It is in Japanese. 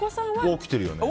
起きてるよね。